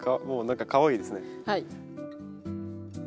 もう何かかわいいですね。